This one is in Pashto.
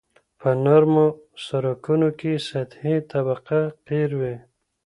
په نرمو سرکونو کې سطحي طبقه قیر وي